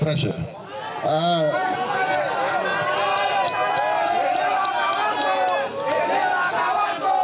katak kemari untuk hanyu maha